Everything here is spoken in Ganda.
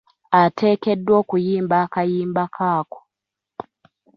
Ateekeddwa okuyimba kayimba ke ako.